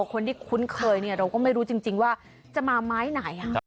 คนที่คุ้นเคยเนี่ยเราก็ไม่รู้จริงจริงว่าจะมาไม้ไหนฮะ